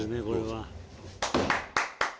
これは。